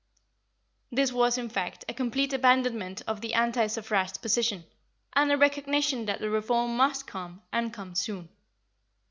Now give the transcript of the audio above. This was, in fact, a complete abandonment of the anti suffrage position, and a recognition that the reform must come, and come soon.